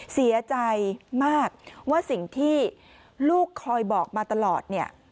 เสียใจมากว่าสิ่งที่ลูกคอยบอกมาตลอดเนี่ย